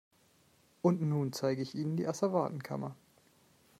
Und nun zeige ich Ihnen die Asservatenkammer.